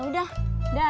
rumahku kan kesana